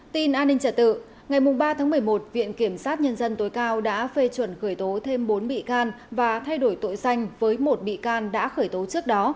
tin an ninh trả tự ngày ba tháng một mươi một viện kiểm sát nhân dân tối cao đã phê chuẩn khởi tố thêm bốn bị can và thay đổi tội danh với một bị can đã khởi tố trước đó